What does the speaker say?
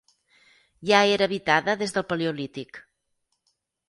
Ja era habitada des del paleolític.